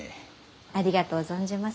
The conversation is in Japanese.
ありがとう存じます。